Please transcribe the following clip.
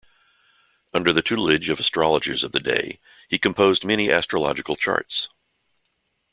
Under the tutelage of astrologers of the day, he composed many astrological charts.